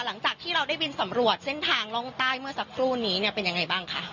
หลังจากที่เราได้บินสำรวจเส้นทางร่องใต้เมื่อสักครู่นี้เนี่ยเป็นยังไงบ้างคะ